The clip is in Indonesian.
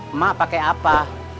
emak pake apa